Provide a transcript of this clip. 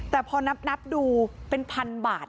แต่พอนับดูเป็นพันบาท